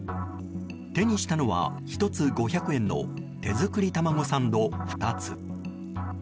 手にしたのは、１つ５００円の手作りタマゴサンド２つ。